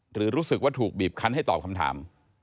หรือรู้สึกว่าถูกบีบคันให้ตอบคำถาม